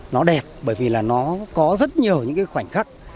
nó đẹp bởi vì nó có rất nhiều khoảnh khắc